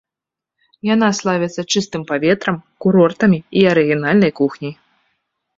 Яна славіцца чыстым паветрам, курортамі і арыгінальнай кухняй.